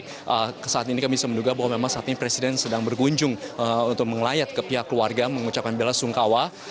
jadi saat ini kami bisa menduga bahwa memang saat ini presiden sedang berkunjung untuk mengelayat ke pihak keluarga mengucapkan bela sungkawa